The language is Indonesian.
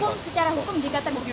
secara hukum jika terbuka bisa